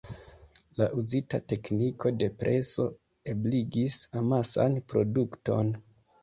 La uzita tekniko de preso ebligis amasan produkton.